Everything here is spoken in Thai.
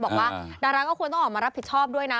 บอกว่าดาราก็ควรต้องออกมารับผิดชอบด้วยนะ